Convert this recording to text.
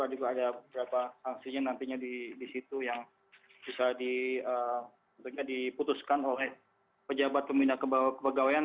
juga ada beberapa sanksinya nantinya di situ yang bisa diputuskan oleh pejabat pembina kepegawaian